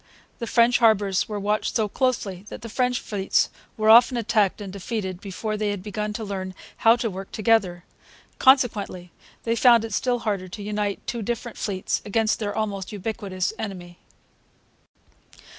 The French harbours were watched so closely that the French fleets were often attacked and defeated before they had begun to learn how to work together. Consequently, they found it still harder to unite two different fleets against their almost ubiquitous enemy.